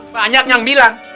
banyak yang bilang